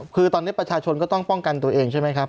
คือตอนนี้ประชาชนก็ต้องป้องกันตัวเองใช่ไหมครับ